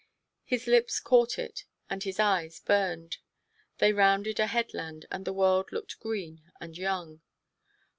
His lips caught it and his eyes burned. They rounded a headland and the world looked green and young.